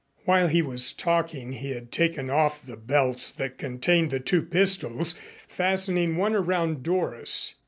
While he was talking he had taken off the belts that contained the two pistols, fastening one around Doris.